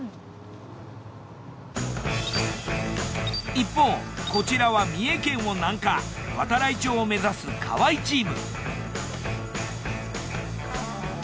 一方こちらは三重県を南下度会町を目指す河合チーム。